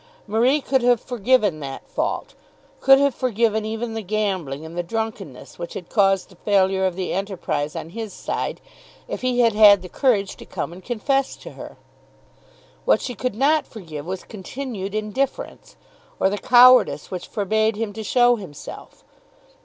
Marie could have forgiven that fault, could have forgiven even the gambling and the drunkenness which had caused the failure of the enterprise on his side, if he had had the courage to come and confess to her. What she could not forgive was continued indifference, or the cowardice which forbade him to show himself.